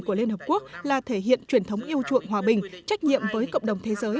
của liên hợp quốc là thể hiện truyền thống yêu chuộng hòa bình trách nhiệm với cộng đồng thế giới